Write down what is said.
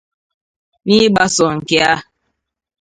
N'ịgbasò nke a